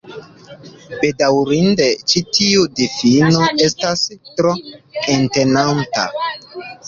Bedaŭrinde, ĉi tiu difino estas tro entenanta.